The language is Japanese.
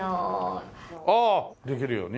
ああできるように？